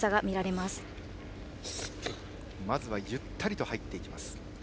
まずはゆったりと入っていきます。